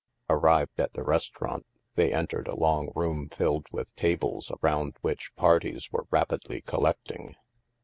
Arrived at the restaurant, they entered a long room filled with tables around which parties were rapidly collecting.